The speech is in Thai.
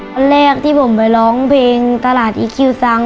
วันแรกที่ผมไปร้องเพลงตลาดอีคิวซัง